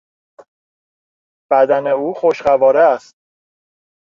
بدن او خوشقواره است.